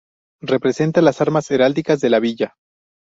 Representa las armas heráldicas de la villa.